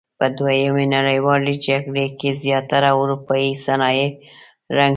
په دویمې نړیوالې جګړې کې زیاتره اورپایي صنایع رنګ شوي.